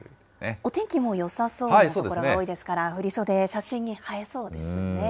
お天気もよさそうな所が多いですから、振り袖、写真に映えそうですよね。